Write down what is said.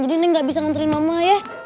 jadi neng gak bisa nganterin mama ya